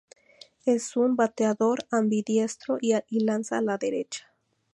Es un bateador ambidiestro y lanza a la derecha.